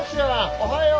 おはよう。